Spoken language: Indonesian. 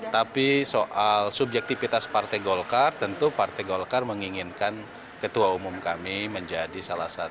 tapi soal subjektivitas partai golkar tentu partai golkar menginginkan ketua umum kami menjadi salah satu